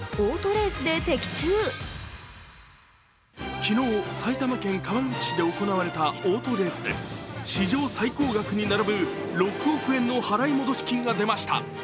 昨日、埼玉県川口市で行われたオートレースで史上最高額に並ぶ６億円の払戻金が出ました。